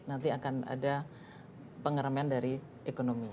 nanti akan ada pengereman dari ekonomi